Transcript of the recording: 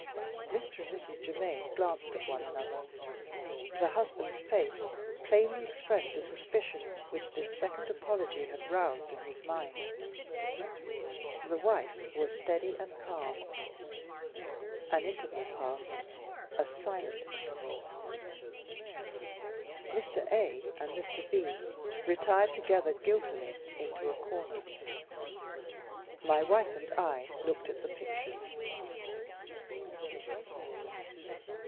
Mr. and Mrs. Germaine glanced at one another. The husband's face plainly expressed the suspicion which this second apology had roused in his mind. The wife was steady and calm. An interval passed a silent interval. Mr. A and Mr. B retired together guiltily into a corner. My wife and I looked at the pictures.